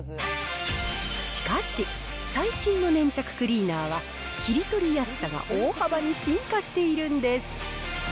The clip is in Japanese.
しかし、最新の粘着クリーナーは切り取りやすさが大幅に進化しているんです。